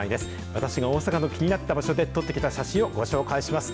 私が大阪の気になった場所で撮ってきた写真をご紹介します。